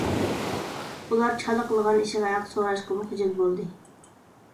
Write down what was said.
ئۇلار چالا قىلغان ئىشىغا ھەق سوراشقىمۇ خىجىل بولدى.